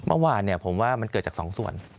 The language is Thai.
มั่วหวานเนี่ยผมว่ามันเกิดจากสองส่วน